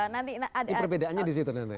nah perbedaannya disitu nandanya